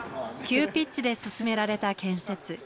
急ピッチで進められた建設。